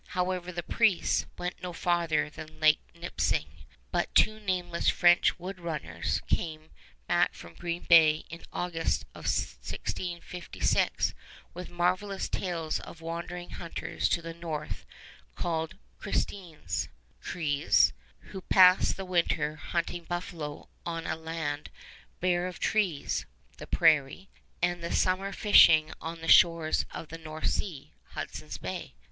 However, the priests went no farther than Lake Nipissing; but two nameless French wood runners came back from Green Bay in August of 1656 with marvelous tales of wandering hunters to the north called "Christines" (Crees), who passed the winter hunting buffalo on a land bare of trees (the prairie) and the summer fishing on the shores of the North Sea (Hudson's Bay).